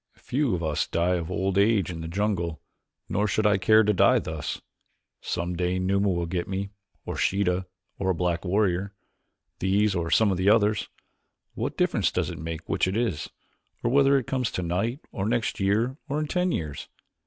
Few of us die of old age in the jungle, nor should I care to die thus. Some day Numa will get me, or Sheeta, or a black warrior. These or some of the others. What difference does it make which it is, or whether it comes tonight or next year or in ten years?